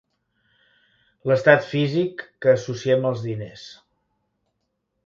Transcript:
L'estat físic que associem als diners.